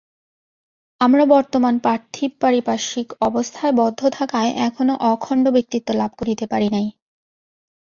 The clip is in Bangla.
আমরা বর্তমান পার্থিব পারিপার্শ্বিক অবস্থায় বদ্ধ থাকায় এখনও অখণ্ড ব্যক্তিত্ব লাভ করিতে পারি নাই।